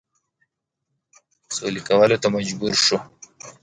سولي کولو ته مجبور شو.